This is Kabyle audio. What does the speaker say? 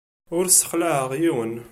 Ur ssexlaɛeɣ yiwen.